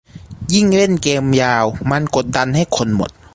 ยิ่งเล่นเกมยาวมันกดดันให้คนหมด